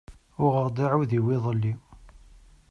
Uɣeɣ-d aɛudiw iḍelli.